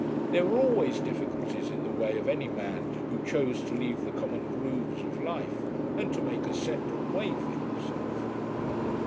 There were always difficulties in the way of any man who chose to leave the common grooves of life and to make a separate way for himself.